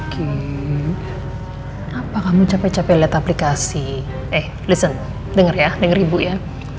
kenapa kamu capek capek liat aplikasi eh denger ya dengar ibu ya